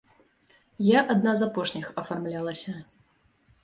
Я адна з апошніх афармлялася.